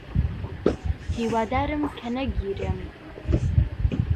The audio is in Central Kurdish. هیوادارم کە نەگیرێم.